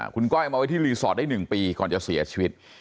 คุณก้อยเอามาไว้ที่รีสอร์ทได้๑ปีก่อนจะเสียชีวิต